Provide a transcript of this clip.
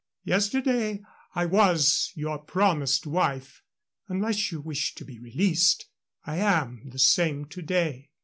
Yesterday I was your promised wife. Unless you wish to be released, I am the same to day.